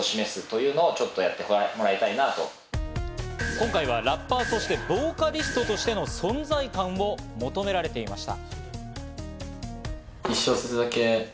今回はラッパー、そしてボーカリストとしての存在感を求められていました。